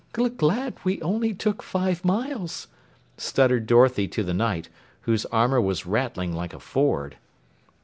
"G g glad we only took five miles," stuttered Dorothy to the Knight, whose armor was rattling like a Ford.